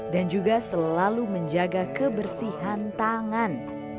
dan juga selalu menjaga kebersihan tangan